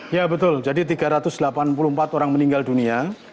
ya betul jadi tiga ratus delapan puluh empat orang meninggal dunia